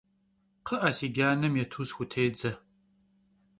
Kxhı'e, si canem yêtu sxutêdze!